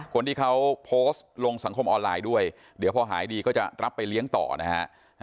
คนที่เขาโพสต์ลงสังคมออนไลน์ด้วยเดี๋ยวพอหายดีก็จะรับไปเลี้ยงต่อนะฮะ